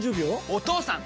お義父さん！